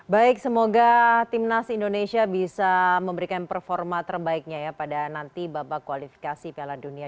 baik semoga timnas indonesia bisa memberikan performa terbaiknya ya pada nanti babak kualifikasi piala dunia dua ribu dua puluh enam